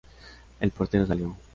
El portero salió.